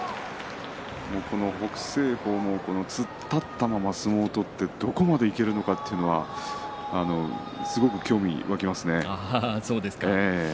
この北青鵬も突っ立ったまま相撲を取ってどこまでいけるのかというのはすごく興味がありますね。